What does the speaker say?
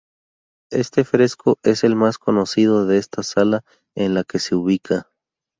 Este fresco es el más conocido de esta sala en la que se ubica.